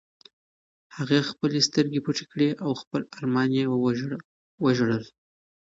هغې خپلې سترګې پټې کړې او په خپل ارمان یې وژړل.